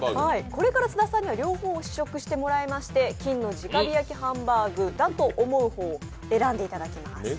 これから津田さんには両方試食してもらいまして金の直火焼ハンバーグだと思う方を選んでいただきます。